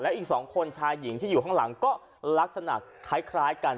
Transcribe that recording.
อีก๒คนชายหญิงที่อยู่ข้างหลังก็ลักษณะคล้ายกัน